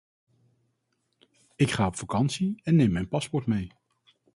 Ik ga op vakantie en neem mijn paspoort mee.